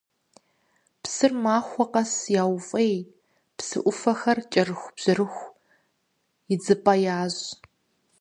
Псыр махуэ къэс яуфӀей, псы Ӏуфэхэр кӀэрыхубжьэрыху идзыпӀэ ящӀ.